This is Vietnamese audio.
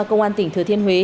công an tỉnh thừa thiên huế